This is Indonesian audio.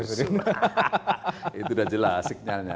itu sudah jelas